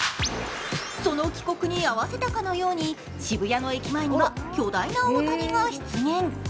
その帰国に合わせたかのように、渋谷の駅前には巨大な大谷が出現。